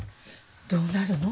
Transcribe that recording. どうなるの？